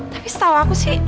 tapi setau aku sih